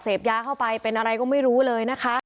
เสพยาเข้าไปเป็นอะไรก็ไม่รู้เลยนะคะ